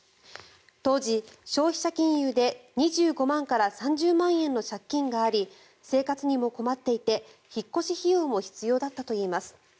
当時、消費者金融で２５万から３０万円の借金があり生活にも困っていて引っ越し費用も必要だったといいます。